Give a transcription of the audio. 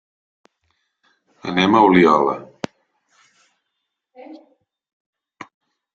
Anem a Oliola.